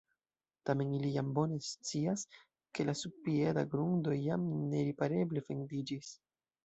Tamen ili jam bone scias, ke la subpieda grundo jam neripareble fendiĝis.